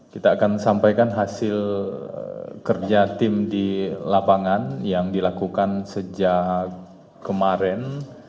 kita akan sampaikan hasil kerja tim di lapangan yang dilakukan sejak kemarin